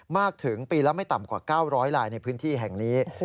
มากถึงปีละไม่ต่ำกว่า๙๐๐ลายในพื้นที่แห่งนี้